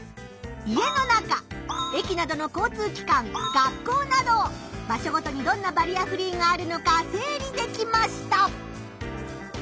家の中駅などの交通きかん学校など場所ごとにどんなバリアフリーがあるのか整理できました！